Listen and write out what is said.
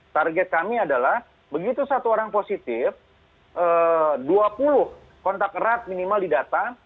target kami adalah begitu satu orang positif dua puluh kontak erat minimal di data